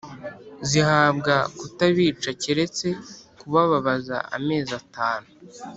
Zihabwa kutabica keretse kubababaza amezi atanu.